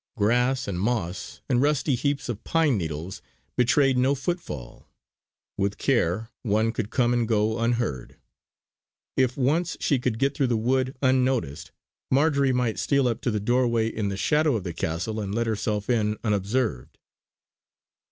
Grass and moss and rusty heaps of pine needles betrayed no footfall; with care one could come and go unheard. If once she could get through the wood unnoticed, Marjory might steal up to the doorway in the shadow of the castle and let herself in, unobserved.